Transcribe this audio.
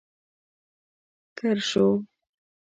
ګررر شو.